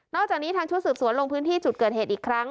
จากนี้ทางชุดสืบสวนลงพื้นที่จุดเกิดเหตุอีกครั้ง